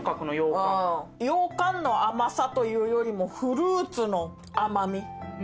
ようかんの甘さというよりもフルーツの甘み。